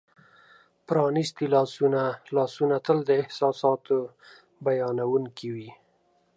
پرانیستي لاسونه : لاسونه تل د احساساتو بیانونکي وي.